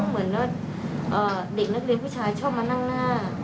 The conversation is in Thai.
แล้วเหมือนแล้วเอ่อเด็กนักเรียนผู้ชายชอบมานั่งหน้า